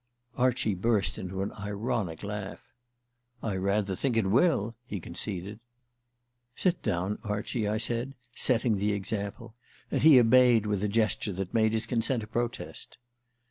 Archie burst into an ironic laugh. "I rather think it will!" he conceded. "Sit down, Archie," I said, setting the example; and he obeyed, with a gesture that made his consent a protest.